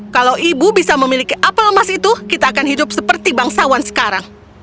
kalau ibu bisa memiliki apel emas itu kita akan hidup seperti bangsawan sekarang